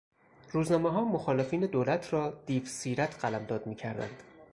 روزنامهها مخالفین دولت را دیو سیرت قلمداد میکردند.